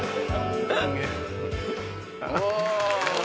お！